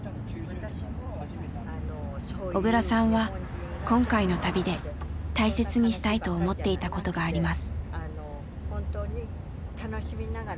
小倉さんは今回の旅で大切にしたいと思っていたことがあります。